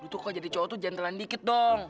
lo tuh kok jadi cowok tuh jantelan dikit dong